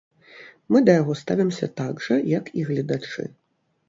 Мы да яго ставімся так жа, як і гледачы!